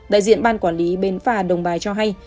đại diện ban quản lý bến phà đồng bài cho hay